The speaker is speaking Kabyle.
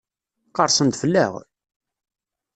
Qerrsen-d fell-aɣ?